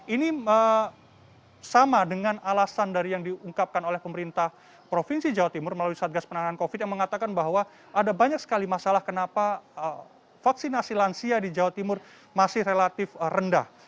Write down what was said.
ini sama dengan alasan dari yang diungkapkan oleh pemerintah provinsi jawa timur melalui satgas penanganan covid yang mengatakan bahwa ada banyak sekali masalah kenapa vaksinasi lansia di jawa timur masih relatif rendah